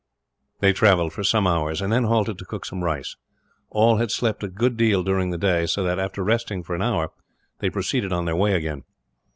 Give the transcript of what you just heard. They travelled for some hours, and then halted to cook some rice. All had slept a good deal during the day so that, after resting for an hour, they proceeded on their way again.